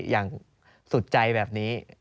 อย่างสุดใจแบบนี้